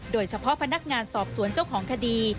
โดยเฉพาะพนักงานสอบสวนเจ้าของคดี